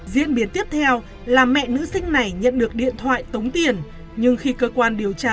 diễn biến tiếp theo là mẹ nữ sinh này nhận được điện thoại tống tiền nhưng khi cơ quan điều tra